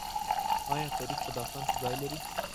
آیا تاریخ په داستان کي ځای لري؟